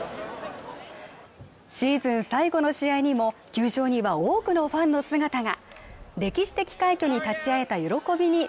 シーズン最後の試合にも優勝には多くのファンの姿が。